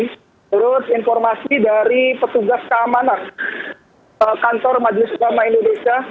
menurut informasi dari petugas keamanan kantor majelis ulama indonesia